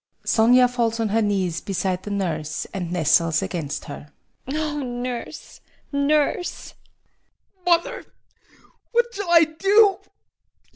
SONIA falls on her knees beside the nurse and nestles against her. SONIA. Oh, nurse, nurse! VOITSKI. Mother! What shall I do?